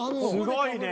すごいね。